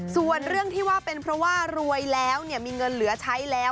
ส่วนเรื่องที่ว่าเป็นเพราะว่ารวยแล้วมีเงินเหลือใช้แล้ว